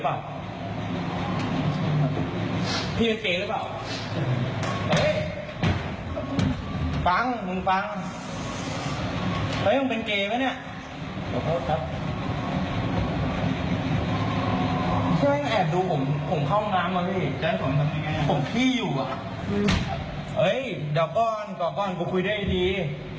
เฮ้ยเดี๋ยวกรกูคุยด้วยดี